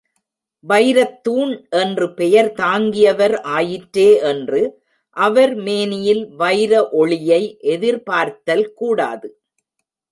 வைரத்தூண் என்று பெயர் தாங்கியவர் ஆயிற்றே என்று அவர் மேனியில் வைர ஒளியை எதிர்பார்த்தல் கூடாது.